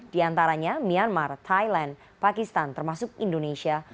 diantaranya myanmar thailand pakistan termasuk indonesia